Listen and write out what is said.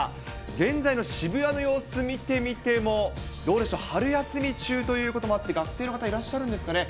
現在の渋谷の様子、見てみても、どうでしょう、春休み中ということもあって、学生の方、いらっしゃるんですかね。